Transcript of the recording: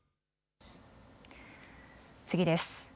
次です。